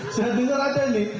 saya dengar ada nih